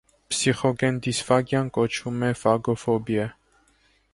Փսիխոգեն դիսֆագիան կոչվում է ֆագոֆոբիա։